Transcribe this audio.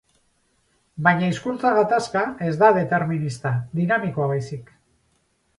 Baina hizkuntza gatazka ez da determinista, dinamikoa baizik.